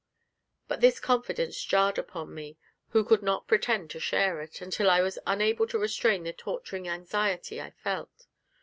But this confidence jarred upon me, who could not pretend to share it, until I was unable to restrain the torturing anxiety I felt.